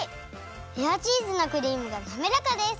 レアチーズのクリームがなめらかです！